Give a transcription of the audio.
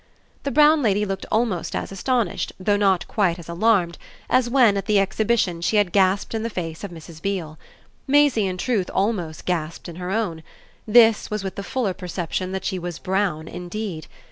The brown lady looked almost as astonished, though not quite as alarmed, as when, at the Exhibition, she had gasped in the face of Mrs. Beale. Maisie in truth almost gasped in her own; this was with the fuller perception that she was brown indeed.